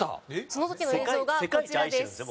その時の映像がこちらです。